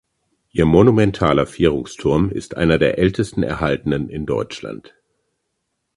Ihr monumentaler Vierungsturm ist einer der ältesten erhaltenen in Deutschland.